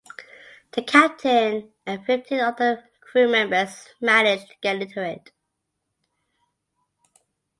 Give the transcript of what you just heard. The captain and fifteen other crew members managed to get into it.